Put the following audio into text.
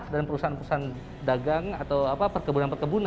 dan perusahaan perusahaan dagang atau apa perkebunan perkebunan